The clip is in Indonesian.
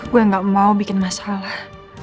gue gak mau bikin masalah